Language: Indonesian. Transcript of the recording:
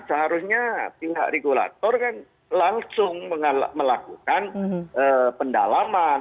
seharusnya pihak regulator kan langsung melakukan pendalaman